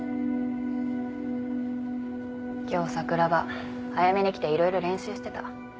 今日桜庭早めに来て色々練習してた。